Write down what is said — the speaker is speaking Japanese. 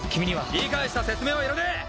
理解した説明はいらねえ！